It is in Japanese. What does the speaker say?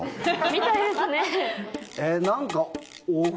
みたいですね。